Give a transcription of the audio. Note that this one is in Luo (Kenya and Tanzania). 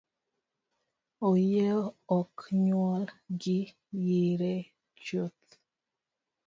Oyieyo ok nyuol gi yire chuth.